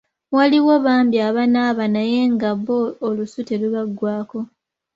Waliwo bambi abanaaba naye nga bo olusu terubaggwaako.